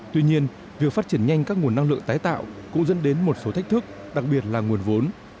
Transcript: tuy nhiên việc phát triển nhanh các nguồn năng lượng tái tạo cũng dẫn đến một số thách thức đặc biệt là nguồn vốn